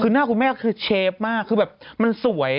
คือหน้าคุณแม่คือเชฟมากคือแบบมันสวย